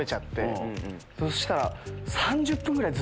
そしたら。